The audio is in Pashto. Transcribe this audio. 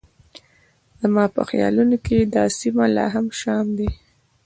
زما په خیالونو کې دا سیمه لا هم شام دی.